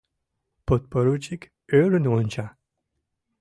Подпоручик ӧрын онча.